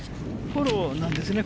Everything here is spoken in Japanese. フォローなんですね。